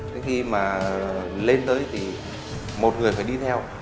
thế khi mà lên tới thì một người phải đi theo